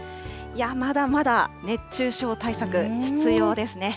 まだまだ熱中症対策、必要ですね。